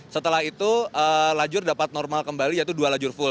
setelah itu lajur dapat normal kembali yaitu dua lajur full